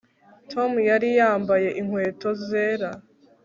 Tom yari yambaye inkweto zera